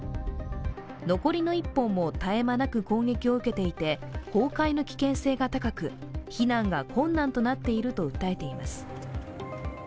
残りの１本も絶え間なく攻撃を受けていて崩壊の危険性が高く避難が困難になっていると訴えています。